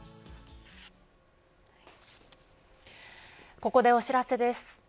ここでお知らせです。